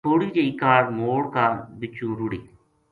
تھوڑی جئی کاہڈ موڑ کا بِچوں رُڑٰی